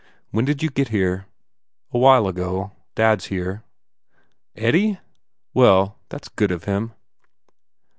When did you get here?" "A while ago. I dad s here." u Eddie? Well, that s good of him."